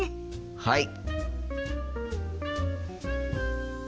はい！